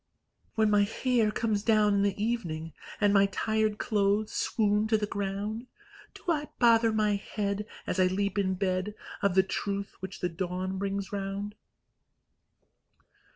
When my hair comes down in the evening, And my tired clothes swoon to the ground, Do I bother my head, As I leap in bed, Of the truth which the dawn brings round?